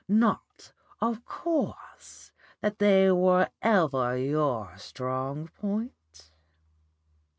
Not, of course, that they were ever your strong point.